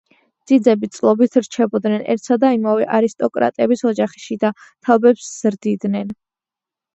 ძიძები წლობით რჩებოდნენ ერთსა და იმავე არისტოკრატების ოჯახში და თაობებს ზრდიდნენ.